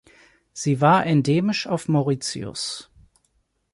Sie war endemisch auf Mauritius.